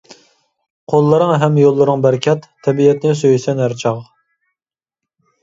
قوللىرىڭ ھەم يوللىرىڭ بەرىكەت، تەبىئەتنى سۈيىسەن ھەر چاغ.